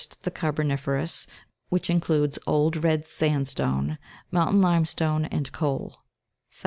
The carboniferous, which includes old red sandstone, mountain lime stone, and coal : 2d.